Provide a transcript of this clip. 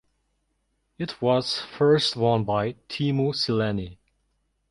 It was first won by Teemu Selanne.